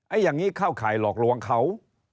อย่างนี้เข้าข่ายหลอกลวงเขา